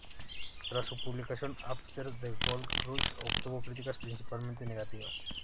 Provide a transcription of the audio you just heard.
Tras su publicación, "After the Gold Rush" obtuvo críticas principalmente negativas.